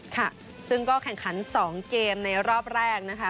ค่ะซึ่งก็แข่งขัน๒เกมในรอบแรกนะคะ